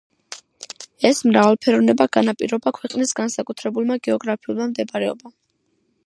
ეს მრავალფეროვნება განაპირობა ქვეყნის განსაკუთრებულმა გეოგრაფიულმა მდებარეობამ.